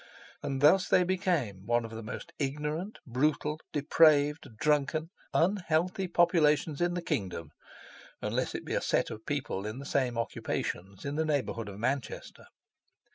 And thus they became one of the most ignorant, brutal, depraved, drunken, unhealthy populations in the kingdom, unless it be a set of people in the same occupations in the neighbourhood of Manchester.